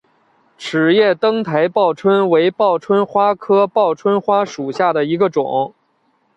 齿叶灯台报春为报春花科报春花属下的一个种。